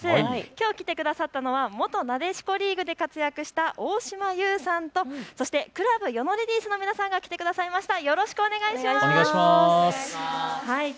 きょう来てくださったのは元なでしこリーグで活躍した大嶋悠生さんと、そしてクラブ与野レディースの皆さんが来てくれました。